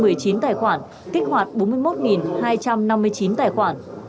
được phê duyệt hai trăm một mươi năm một mươi chín tài khoản kích hoạt bốn mươi một hai trăm năm mươi chín tài khoản